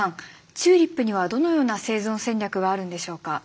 チューリップにはどのような生存戦略があるんでしょうか？